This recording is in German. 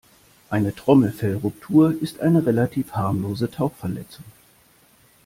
Eine Trommelfellruptur ist eine relativ harmlose Tauchverletzung.